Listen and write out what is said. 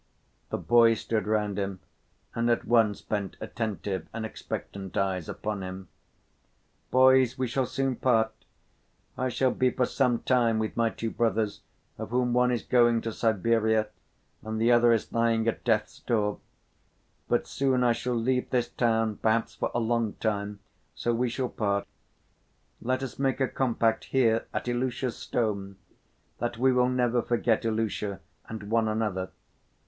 The boys stood round him and at once bent attentive and expectant eyes upon him. "Boys, we shall soon part. I shall be for some time with my two brothers, of whom one is going to Siberia and the other is lying at death's door. But soon I shall leave this town, perhaps for a long time, so we shall part. Let us make a compact here, at Ilusha's stone, that we will never forget Ilusha and one another.